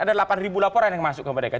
ada delapan ribu laporan yang masuk ke mereka